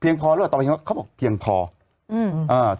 พอหรือเปล่าต่อไปเขาบอกเพียงพออืมอ่า